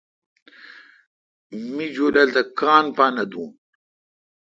می جولال تھ کاں پا نہ دو۔